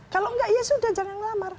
kalau nggak ya sudah jangan melamar